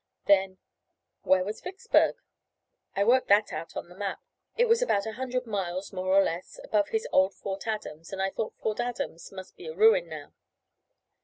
Then, "Where was Vicksburg?" I worked that out on the map; it was about a hundred miles, more or less, above his old Fort Adams and I thought Fort Adams must be a ruin now.